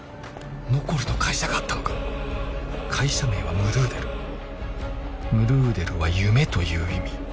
ノコルの会社があったのか会社名はムルーデルムルーデルは夢という意味